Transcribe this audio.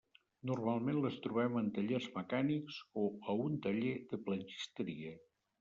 Normalment les trobem en tallers mecànics o a un taller de planxisteria.